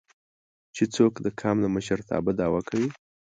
چې څوک د قام د مشرتابه دعوه کوي